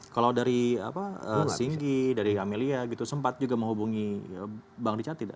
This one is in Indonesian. kalau dari singgi dari amelia gitu sempat juga menghubungi bang richard tidak